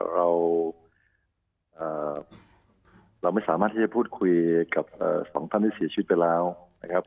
เราไม่สามารถที่จะพูดคุยกับสองท่านที่เสียชีวิตไปแล้วนะครับ